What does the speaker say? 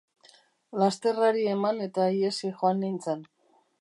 Lasterrari eman eta ihesi joan nintzen.